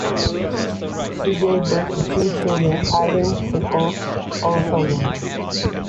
She gave birth to two children - Ivan and Oleksandra.